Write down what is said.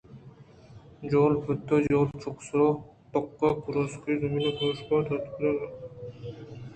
چِلّ پِت ءُ چِلّ چُکّ سُہر ءِ ٹِکّ کُروسے زمین ءَ پیشکانڈگ ءَ اَت کہ دانے در بِہ گیجان ءُ بُہ وَرَاں